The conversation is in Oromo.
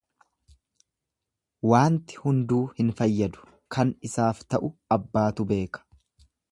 Waanti hunduu hin fayyadu kan isaaf ta'u abbaatu beeka.